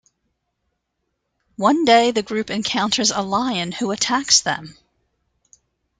One day the group encounters a lion who attacks them.